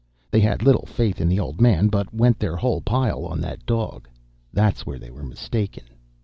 They had little faith in the old man, but went their whole pile on that dog. That's where they were mistaken.